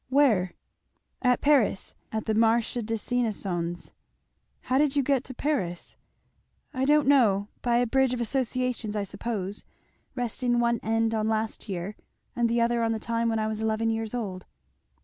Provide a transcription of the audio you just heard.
"Where?" "At Paris at the Marché des Innocens." "How did you get to Paris?" "I don't know by a bridge of associations, I suppose, resting one end on last year, and the other on the time when I was eleven years old."